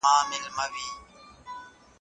سیلانیان غواړي چې په کراره سفر وکړي.